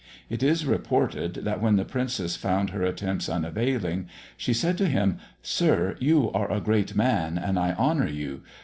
It is reported that when the Princess found her attempts unavailing, she said to him, "Sir, you are a great man, and I honour you.